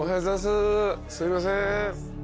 すいません。